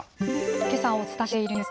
けさお伝えしているニュース。